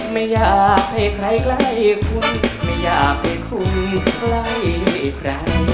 ไม่อยากให้ใครใกล้คุณไม่อยากให้คุณไหล่ไหล่